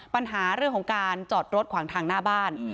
ปัญหาเรื่องของการจอดรถขวางทางหน้าบ้าน